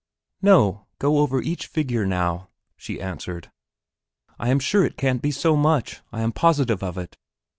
"No; go over each figure now," she answered. "I am sure it can't be so much; I am positive of it."